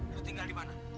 lo tinggal dimana